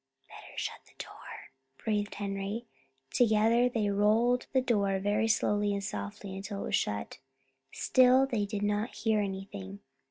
"Better shut the door," breathed Henry. Together they rolled the door very slowly and softly until it was shut. Still they did not hear anything.